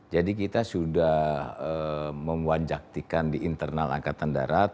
jadi kita sudah memwanjaktikan di internal angkatan darat